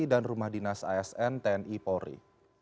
dan rumah dinas asn tni polri